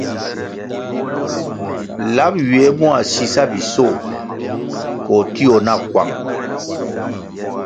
Lap ywie mua sisabisoh koh tio na kwang.